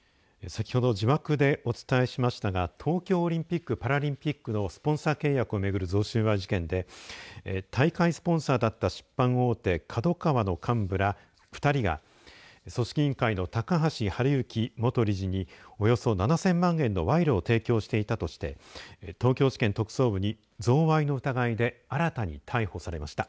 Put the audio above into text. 先ほど字幕でお伝えしましたが東京オリンピック・パラリンピックのスポンサー契約を巡る収賄事件で大会スポンサーだった出版大手ＫＡＤＯＫＡＷＡの幹部ら２人が組織委員会の高橋治之元理事におよそ７０００万円の賄賂を提供していたとして東京地検特捜部に贈賄の疑いで新たに逮捕されました。